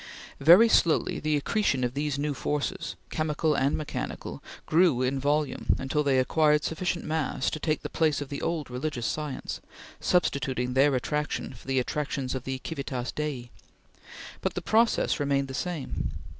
Very slowly the accretion of these new forces, chemical and mechanical, grew in volume until they acquired sufficient mass to take the place of the old religious science, substituting their attraction for the attractions of the Civitas Dei, but the process remained the same.